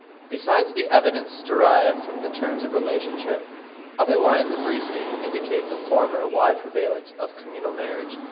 Besides the evidence derived from the terms of relationship, other lines of reasoning indicate the former wide prevalence of communal marriage.